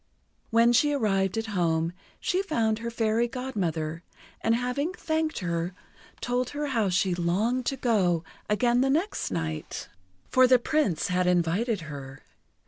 When she arrived at home, she found her Fairy Godmother, and having thanked her, told her how she longed to go again the next night, for the Prince had invited her.